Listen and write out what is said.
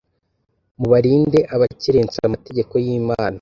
mubarinde abakerensa amategeko y’Imana